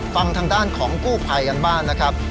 ฟังทางด้านของกู้ภัยกันบ้างนะครับ